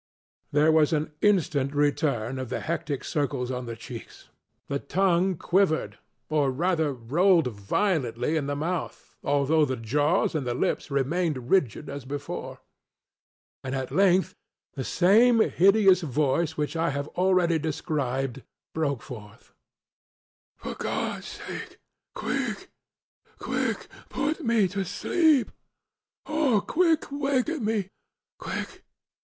ŌĆØ There was an instant return of the hectic circles on the cheeks; the tongue quivered, or rather rolled violently in the mouth (although the jaws and lips remained rigid as before), and at length the same hideous voice which I have already described, broke forth: ŌĆ£For GodŌĆÖs sake! ŌĆöquick! ŌĆöquick! ŌĆöput me to sleepŌĆöor, quick! ŌĆöwaken me! ŌĆöquick!